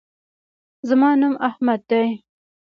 زما نوم احمد دے